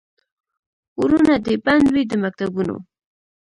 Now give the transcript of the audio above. ورونه دي بند وي د مکتبونو